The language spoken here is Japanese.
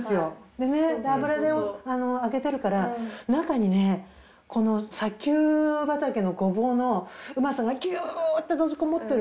でね油で揚げてるから中にねこの砂丘畑のゴボウのうまさがギューッて閉じこもってる。